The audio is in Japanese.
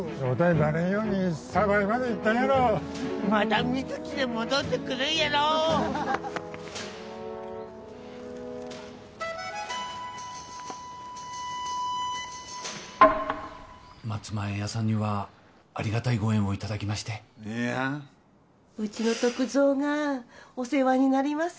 バレんように鯖江まで行ったんやろまた三月で戻ってくるんやろ松前屋さんにはありがたいご縁をいただきましていやうちの篤蔵がお世話になります・